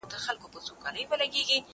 زه به سبا ښوونځی ځم!